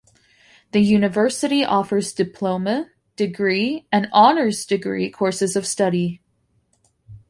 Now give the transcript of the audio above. The university offers diploma, degree, and honours degree courses of study.